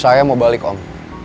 saya mau balik om